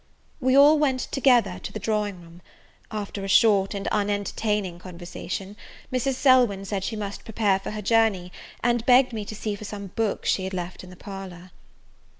We all went together to the drawing room. After a short and unentertaining conversation, Mrs. Selwyn said she must prepare for her journey, and begged me to see for some books she had left in the parlour.